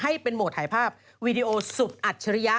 ให้เป็นโหมดถ่ายภาพวีดีโอสุดอัจฉริยะ